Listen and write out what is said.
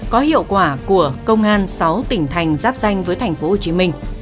có hiệu quả của công an sáu tỉnh thành giáp danh với thành phố hồ chí minh